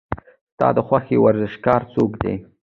ستا د خوښې ورزشکار څوک دی؟